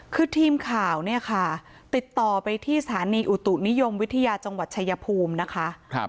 คือทีมข่าวเนี่ยค่ะติดต่อไปที่สถานีอุตุนิยมวิทยาจังหวัดชายภูมินะคะ